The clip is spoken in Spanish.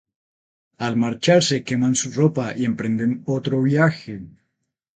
Al marcharse queman su ropa y emprenden otro viaje.